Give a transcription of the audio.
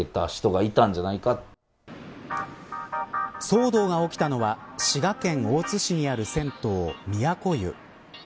騒動が起きたのは滋賀県大津市にある銭湯都湯。